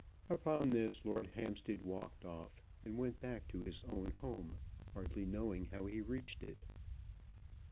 Upon this Lord Hampstead walked off, and went back to his own home, hardly knowing how he reached it.